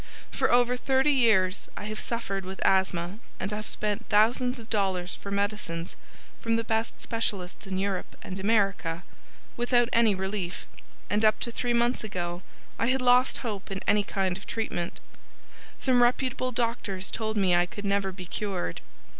For over thirty years I have suffered with Asthma and have spent thousands of dollars for medicines from the best specialists in Europe and America without any relief, and up to three months ago I lost hope in any kind of treatment; some reputable doctors told me I never could be cured.